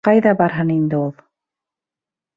— Ҡайҙа барһын инде ул?